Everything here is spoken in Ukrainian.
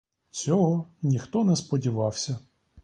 Цього ніхто не сподівався.